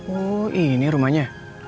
oh ini rumahnya